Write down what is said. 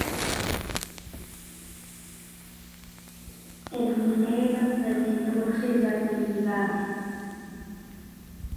Y Minella se retiró de la actividad.